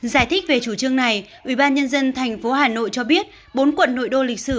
giải thích về chủ trương này ủy ban nhân dân tp hà nội cho biết bốn quận nội đô lịch sử